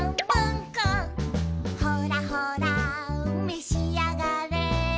「ほらほらめしあがれ」